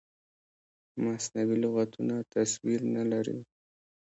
مصنوعي لغتونه تصویر نه لري.